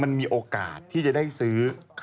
มันมีโอกาสที่จะได้ซื้อ